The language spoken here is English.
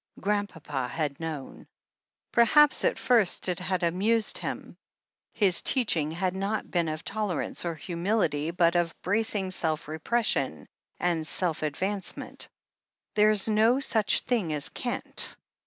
Grandpapa had known. Perhaps at first it had amused him. His teaching had not been of tolerance or humility, but of bracing self repression and self advancement: "There's no such thing as can't."